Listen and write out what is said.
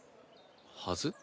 「はず」？